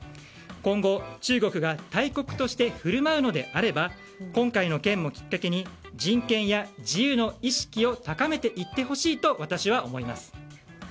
今後、中国が大国として振る舞うのであれば今回の件をきっかけに人権や自由の意識を高めていってほしいと私は思います。